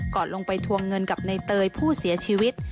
ลงไปทวงเงินกับในเตยผู้เสียชีวิต